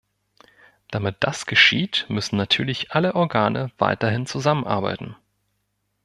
Damit das geschieht, müssen natürlich alle Organe weiterhin zusammenarbeiten.